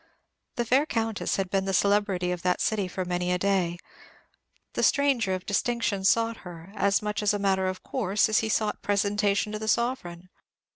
The fair Countess had been the celebrity of that city for many a day. The stranger of distinction sought her, as much as a matter of course as he sought presentation to the sovereign.